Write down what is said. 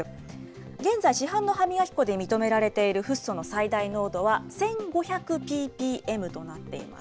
現在、市販の歯磨き粉で認められているフッ素の最大濃度は１５００ｐｐｍとなっています。